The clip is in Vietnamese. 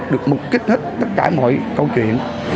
được mục kích hết tất cả mọi câu chuyện